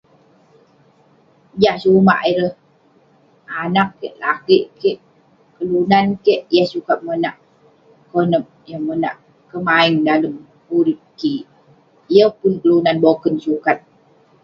Jah shumak ireh anaq kik, lakeik kik, kelunan kik yah sukat monak konep, yah monak kemaing dalem urip kik. Yeng pun kelunan boken sukat.